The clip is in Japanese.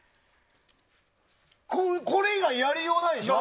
これ以外やりようないでしょ。